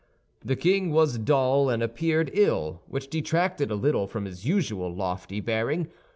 The king was dull and appeared ill, which detracted a little from his usual lofty bearing.